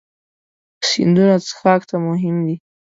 سیندونه څښاک ته مهم دي.